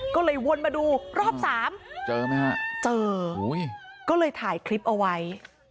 ก็เลยวนมาดูรอบสามเจอไหมฮะเจอก็เลยถ่ายคลิปเอาไว้